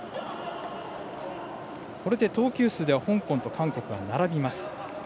これで投球数では香港と韓国が並びます。